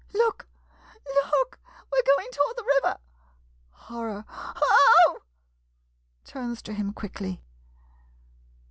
] Look — look — we 're going toward the river. [Horror.] Oh — oh! [Turns to him quickly.